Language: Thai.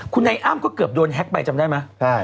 คุณไอ้อ้ำก็เกือบโดนแฮกไปจำได้มะ